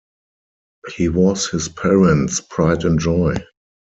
He was his parents' pride and joy.